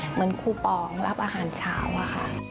เหมือนคูปองรับอาหารเช้าค่ะ